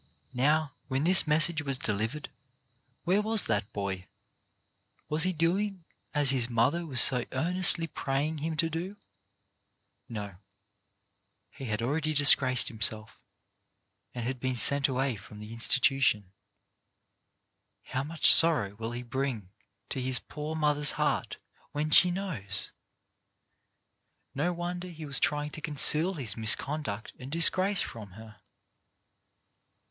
Now, when this message was delivered, where was that boy ? Was he doing as his mother was so earnestly praying him to do? No. He 228 CHARACTER BUILDING had already disgraced himself, and had been sent away from the institution. How much sorrow will he bring to his poor mother's heart when she knows ! No wonder he was trying to conceal his misconduct and disgrace from her.